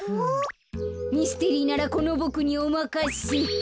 ミステリーならこのボクにおまかせ！